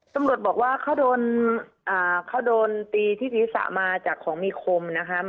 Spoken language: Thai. ตำรวจบอกว่าเขาโดนตีที่ศีรษะมาจากของมีคมนะคะ